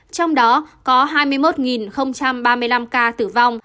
trong đó có hai mươi một ba mươi năm ca tử vong